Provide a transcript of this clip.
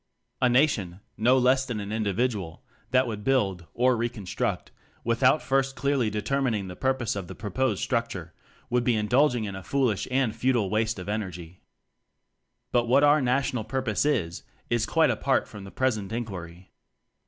A Nation (no less than an individ ual) that would build (or "recon struct") without first clearly deter mining the purpose of the proposed structure, would be indulging in a foolish and futile waste of en ergy. But what our national purpose is, is quite apart from the present in quiry.